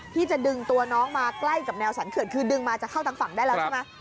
ที่จะดึงตัวน้องมาใกล้กับแนวสันเขื่อนคือดึงมาจะเข้าทางฝั่งได้แล้วใช่ไหม